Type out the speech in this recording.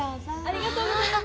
ありがとうございます！